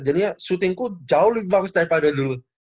jadi ya shooting ku jauh lebih bagus daripada dulu